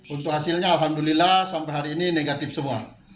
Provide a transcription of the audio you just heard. untuk hasilnya alhamdulillah sampai hari ini negatif semua